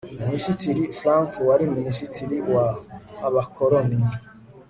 minisitiri frank wari minisitiri wa abakoloni